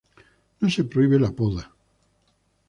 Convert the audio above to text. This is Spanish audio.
No se prohíbe la poda.